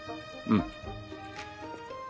うん。